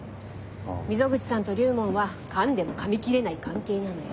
溝口さんと龍門はかんでもかみ切れない関係なのよ。